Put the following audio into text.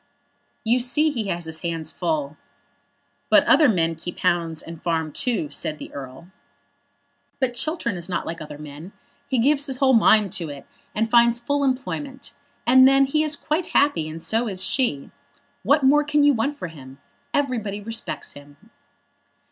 "You see he has his hands full." "But other men keep hounds and farm too," said the Earl. "But Chiltern is not like other men. He gives his whole mind to it, and finds full employment. And then he is quite happy, and so is she. What more can you want for him? Everybody respects him."